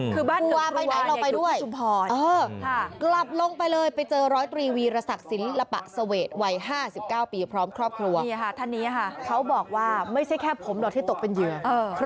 คือบ้านหนึ่งครูวาใหญ่ดูเป็นชุมพรอภ์คือบ้านหนึ่งครูวาใหญ่ดูเป็นชุมพร